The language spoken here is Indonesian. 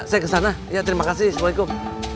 saya kesana ya terima kasih assalamualaikum